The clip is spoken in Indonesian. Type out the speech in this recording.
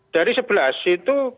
dari sebelas itu